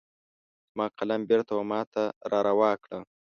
زما قلم بیرته وماته را روا کړه